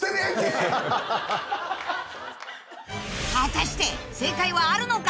［果たして正解はあるのか？］